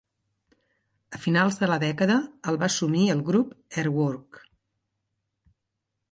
A finals de la dècada, el va assumir el grup Airwork.